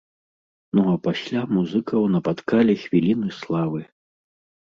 Ну а пасля музыкаў напаткалі хвіліны славы!